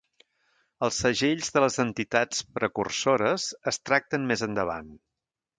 Els segells de les entitats precursores es tracten més endavant.